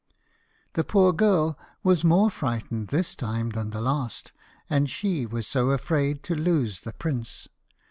The poor girl was more frightened this time than the last, and she was so afraid to lose the prince.